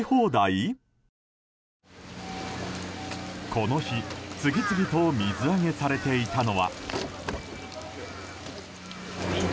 この日、次々と水揚げされていたのは。